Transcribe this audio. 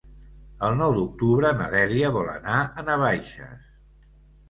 El nou d'octubre na Dèlia vol anar a Navaixes.